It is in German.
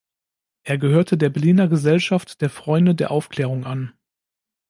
Er gehörte der Berliner Gesellschaft der Freunde der Aufklärung an.